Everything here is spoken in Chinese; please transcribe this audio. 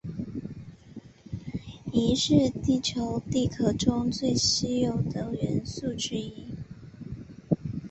铱是地球地壳中最稀有的元素之一。